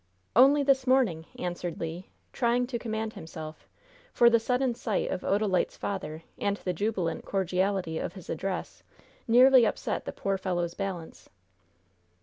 "Only this morning," answered Le, trying to command himself, for the sudden sight of Odalite's father and the jubilant cordiality of his address nearly upset the poor fellow's balance.